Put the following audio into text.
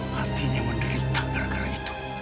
hatinya menderita gara gara itu